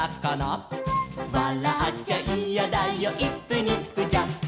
「わらっちゃいやだよイップニップジャンプ」